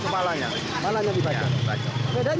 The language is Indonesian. memang sering kejadian ini